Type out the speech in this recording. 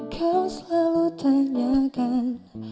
kau selalu tanyakan